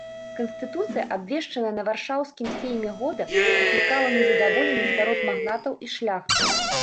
Канстытуцыя, абвешчаная на варшаўскім сейме года, выклікала незадаволенасць сярод магнатаў і шляхты.